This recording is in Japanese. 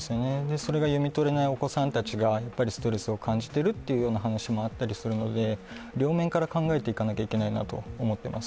それが読み取れないお子さんたちがストレスを感じているという話もあったりするので両面から考えていかなきゃいけないと思います。